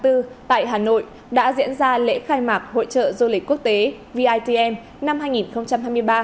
tại hà nội đã diễn ra lễ khai mạc hội trợ du lịch quốc tế vitm năm hai nghìn hai mươi ba